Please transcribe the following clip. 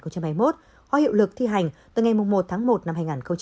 có hiệu lực thi hành từ ngày một tháng một năm hai nghìn hai mươi